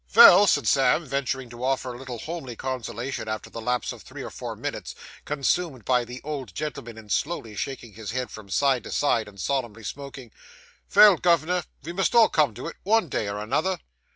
'Vell,' said Sam, venturing to offer a little homely consolation, after the lapse of three or four minutes, consumed by the old gentleman in slowly shaking his head from side to side, and solemnly smoking, 'vell, gov'nor, ve must all come to it, one day or another.